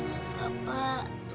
ya su uruskannya dulu